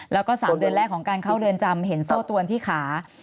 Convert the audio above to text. แล้วก็๓เดือนแรกของการเข้าเรือนจำเห็นโซ่ตวนที่ขา